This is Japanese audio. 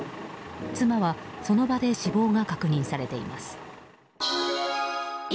妻はその場で死亡が確認されています。